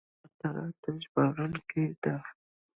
انا د خاطرو ژباړونکې ده